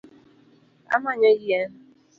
Amanyo yien